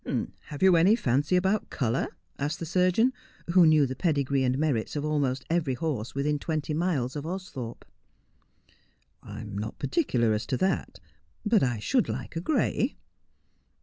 ' Have you any fancy about colour 1 ' asked the surgeon, who knew the pedigree and merits of almost every horse within twenty miles of Austhorpe. ' I am not particular as to that ; but I should like a gray.'